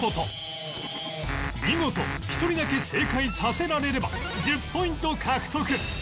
見事１人だけ正解させられれば１０ポイント獲得